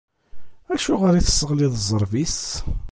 Acuɣer i tesseɣliḍ ẓẓerb-is.